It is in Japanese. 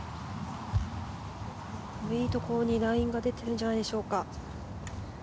いいところにラインが出てるんじゃないでしょうか。